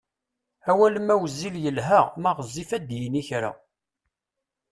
Awal ma wezzil yelha ma ɣezzif ad yini kra!